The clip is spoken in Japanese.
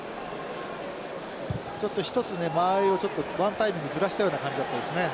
ちょっと１つね間合いをワンタイミングずらしたような感じだったですね。